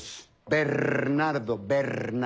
ベルナルドベルナ。